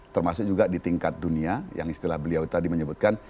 termasuk juga di tingkat dunia yang istilah beliau tadi menyebutkan